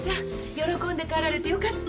喜んで帰られてよかった。